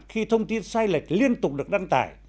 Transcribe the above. khi thông tin sai lệch liên tục được đăng tải